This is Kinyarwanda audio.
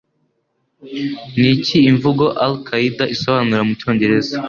Niki Imvugo Al Qaida isobanura mu cyongereza